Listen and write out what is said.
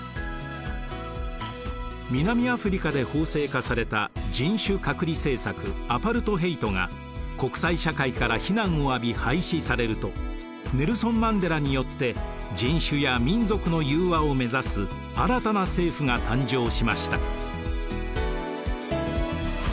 南アフリカで法制化された人種隔離政策アパルトヘイトが国際社会から非難を浴び廃止されるとネルソン・マンデラによって人種や民族の融和をめざす新たな政府が誕生しました。